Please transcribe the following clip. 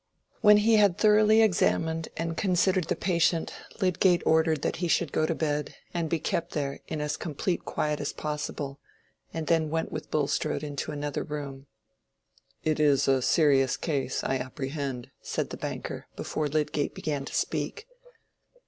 When he had thoroughly examined and considered the patient, Lydgate ordered that he should go to bed, and be kept there in as complete quiet as possible, and then went with Bulstrode into another room. "It is a serious case, I apprehend," said the banker, before Lydgate began to speak.